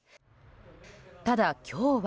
ただ、今日は。